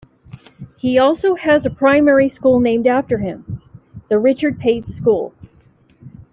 He also has a primary school named after him, the Richard Pate School.